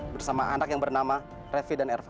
bersama anak yang bernama refi dan erva